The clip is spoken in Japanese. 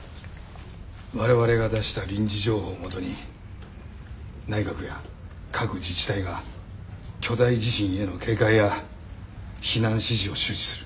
我々が出した臨時情報を基に内閣や各自治体が巨大地震への警戒や避難指示を周知する。